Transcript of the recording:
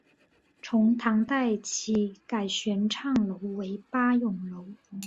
从唐代起改玄畅楼为八咏楼。